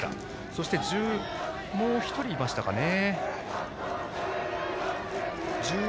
そして、もう１人いましたかね。